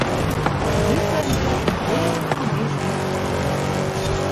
Бөтәһе бер мең биш йөҙ һум